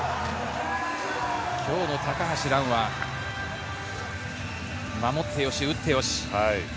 今日の高橋藍は守ってよし打ってよし。